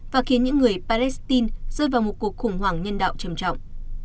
và khiến những người palestine rơi vào một cuộc khủng hoảng nhân đạo trầm trọng